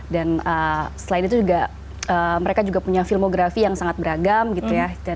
dan selain itu juga mereka punya filmografi yang sangat beragam gitu ya